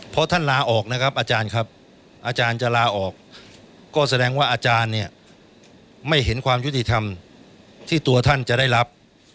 เพราะท่านลาออกนะครับอาจารย์ครับอาจารย์จะลาออกก็แสดงว่าอาจารย์เนี่ยไม่เห็นความยุติธรรมที่ตัวท่านจะได้รับ